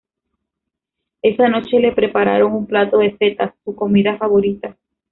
Esa noche le prepararon un plato de setas, su comida favorita.